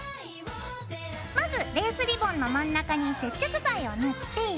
まずレースリボンの真ん中に接着剤を塗って。